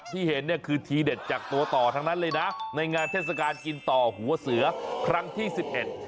เห็นเนี่ยคือทีเด็ดจากตัวต่อทั้งนั้นเลยนะในงานเทศกาลกินต่อหัวเสือครั้งที่สิบเอ็ด